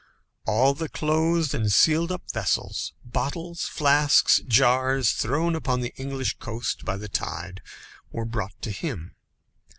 All the closed and sealed up vessels, bottles, flasks, jars, thrown upon the English coast by the tide were brought to him.